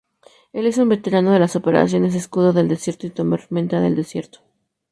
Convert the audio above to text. Él es un veterano de las Operaciones Escudo del Desierto y Tormenta del Desierto.